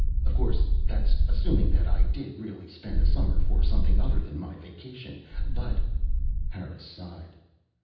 "Of course, that's assuming that I did really spend the summer for something other than my vacation. But " Harris sighed.